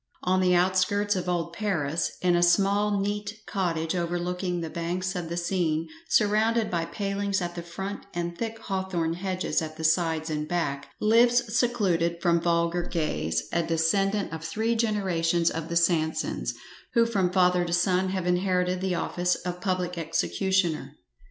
On the outskirts of old Paris, in a small neat cottage overlooking the banks of the Seine, surrounded by palings at the front, and thick hawthorn hedges at the sides and back, lives secluded from vulgar gaze a descendant of three generations of the Sansons, who from father to son have inherited the office of public executioner.